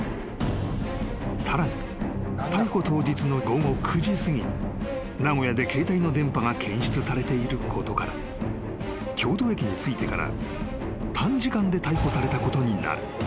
［さらに逮捕当日の午後９時すぎに名古屋で携帯の電波が検出されていることから京都駅に着いてから短時間で逮捕されたことになる］